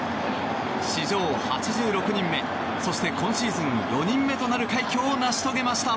史上８６人目そして今シーズン４人目となる快挙を成し遂げました。